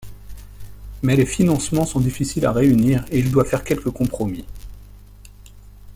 Mais les financements sont difficiles à réunir et il doit faire quelques compromis.